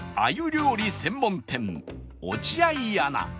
料理専門店落合簗